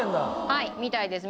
はいみたいです。